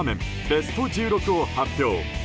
ベスト１６を発表。